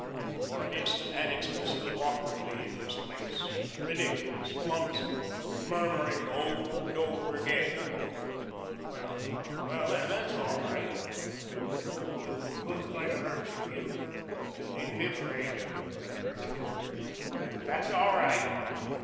For an instant, Annixter stood awkwardly in his place, ridiculous, clumsy, murmuring over and over again: "Well well that's all right who's going to hurt you? You needn't be afraid who's going to hurt you that's all right."